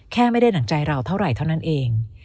ไม่ได้ดั่งใจเราเท่าไหร่เท่านั้นเอง